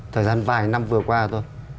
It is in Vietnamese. thời gian vài năm vừa qua thôi